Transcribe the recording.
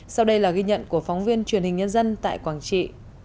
sau đây là ghi nhận của phóng viên truyền hình nhân dân tại quảng trị